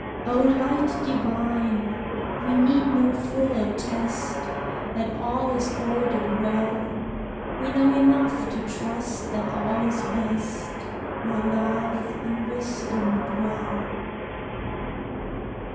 O Light divine! we need no fuller test That all is ordered well; We know enough to trust that all is best Where love and wisdom dwell.